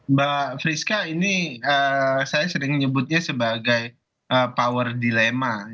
mbak friska ini saya sering nyebutnya sebagai power dilema